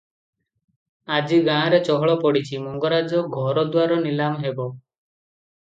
ଆଜି ଗାଁରେ ଚହଳ ପଡ଼ିଛି, ମଙ୍ଗରାଜ ଘରଦ୍ୱାର ନିଲାମ ହେବ ।